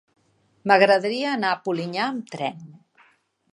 M'agradaria anar a Polinyà amb tren.